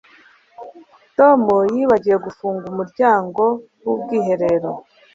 Tom yibagiwe gufunga umuryango wubwiherero